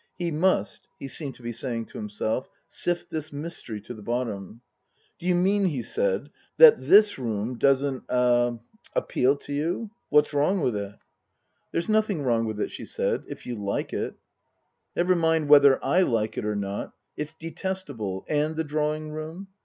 He must he seemed to be saying to himself sift this mystery to the bottom. " D'you mean," he said, " that this room doesn't er appeal to you ? What's wrong with it ?" 208 Tasker Jevons " There's nothing wrong with it," she said, " if you like it." " Never mind whether I like it or not. It's detestable. And the drawing room